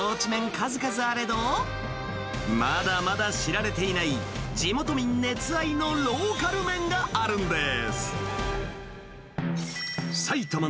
数々あれど、まだまだ知られていない、地元民熱愛のローカル麺があるんです。